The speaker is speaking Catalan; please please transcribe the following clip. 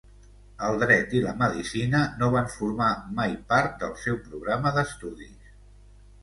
El dret i la medicina no van formar mai part del seu programa d'estudis.